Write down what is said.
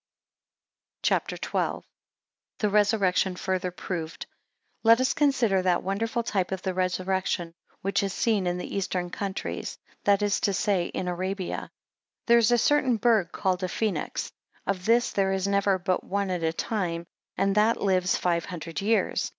CHAPTER XII. The Resurrection further proved. LET us consider that wonderful type of the resurrection which is seen in the Eastern countries: that is to say, in Arabia. 2 There is a certain bird called a Phoenix; of this there is never but one at a time: and that lives five hundred years.